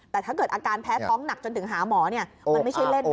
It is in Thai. แต่ถ้าเกิดอาการแพ้ท้องหนักจนถึงหาหมอมันไม่ใช่เล่นนะ